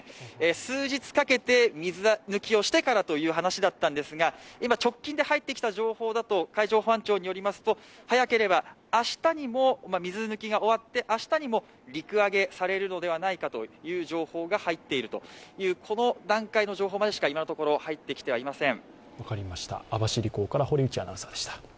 数日かけて水抜きをしてからという話だったんですが、今直近で入ってきた情報だと、海上保安庁によりますと、早ければ水抜きが終わって、明日にも陸揚げされるのではないかという情報が入っていると、この段階の情報までしか今のところ、入ってきていません。